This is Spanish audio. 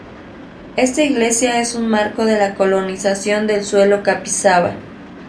Esta iglesia es un marco de la colonización del suelo capixaba.